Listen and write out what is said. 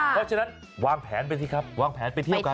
เพราะฉะนั้นวางแผนไปสิครับวางแผนไปเที่ยวกัน